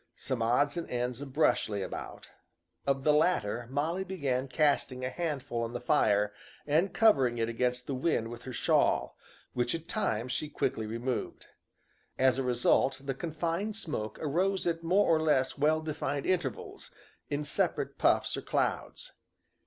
Some odds and ends of brush lay about. Of the latter Molly began casting a handful on the fire and covering it against the wind with her shawl, which at times she quickly removed. As a result the confined smoke arose at more or less well defined intervals, in separate puffs or clouds.